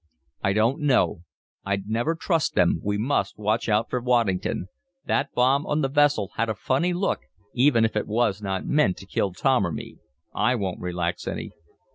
"I don't know. I'd never trust them. We must watch out for Waddington. That bomb on the vessel had a funny look, even if it was not meant to kill Tom or me. I won't relax any."